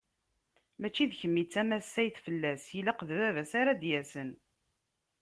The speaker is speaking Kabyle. Mačči d kemm i d tamassayt fell-as, ilaq d baba-s ara d-yasen.